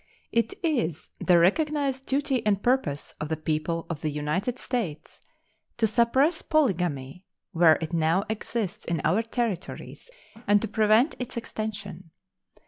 It is the recognized duty and purpose of the people of the United States to suppress polygamy where it now exists in our Territories and to prevent its extension.